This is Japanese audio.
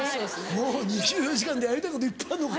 もう２４時間でやりたいこといっぱいあんのか？